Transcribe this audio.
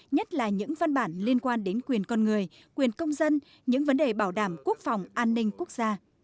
nhất là những văn bản liên quan đến quyền con người quyền công dân những vấn đề bảo đảm quốc phòng an ninh quốc gia